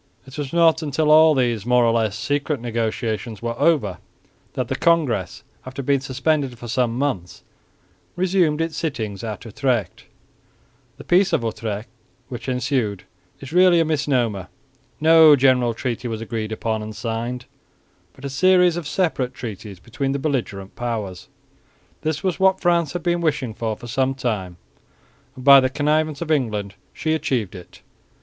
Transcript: It was not until all these more or less secret negotiations were over that the Congress, after being suspended for some months, resumed its sittings at Utrecht. The Peace of Utrecht which ensued is really a misnomer. No general treaty was agreed upon and signed, but a series of separate treaties between the belligerent powers. This was what France had been wishing for some time and, by the connivance of England, she achieved it.